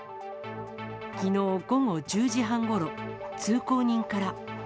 きのう午後１０時半ごろ、通行人から。